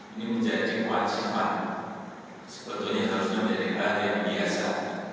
ini menjadi kewajiban sebetulnya harusnya menjadi keadaan yang biasa